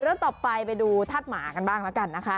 ส่วนต่อไปไปดูธาตุหมากันบ้างนะคะ